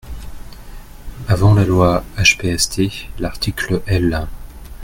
Avant la loi HPST, l’article L.